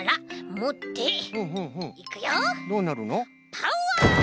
パワー！